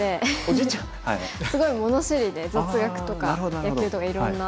すごい物知りで雑学とか野球とかいろんな。